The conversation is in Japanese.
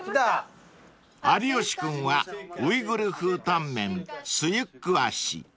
［有吉君はウイグル風タンメンスユックアシ］